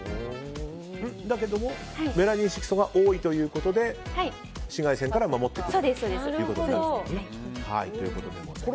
だけどもメラニン色素が多いということで紫外線から守ってくれるということですね。